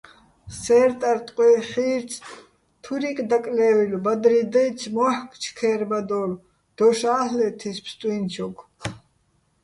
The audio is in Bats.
სე́რტარ ტყუჲჰ̦ი̆ ჰ̦ი́რწი̆, თურიკ დაკლე́ვილო̆, ბადრი დაჲცი̆, მო́ჰ̦კ ჩქე́რბადოლო̆, დოშ ა́ლ'ლეთ ის ფსტუჲნჩოგო̆.